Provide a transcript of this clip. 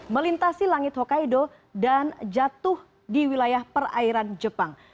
melintasi langit hokkaido dan jatuh di wilayah perairan jepang